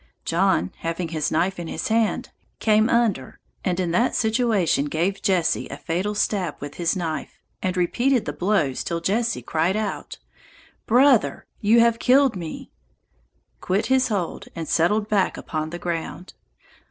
John, having his knife in his hand, came under, and in that situation gave Jesse a fatal stab with his knife, and repeated the blows till Jesse cried out, brother, you have killed me, quit his hold and settled back upon the ground.